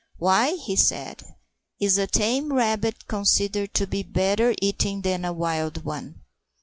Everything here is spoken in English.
"Why," he said, "is a tame rabbit considered to be better eating than a wild one?"